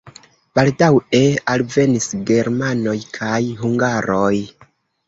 Baldaŭe alvenis germanoj kaj hungaroj.